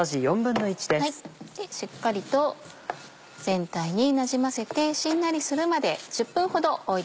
しっかりと全体になじませてしんなりするまで。